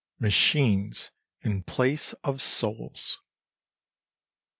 Machines in place of souls!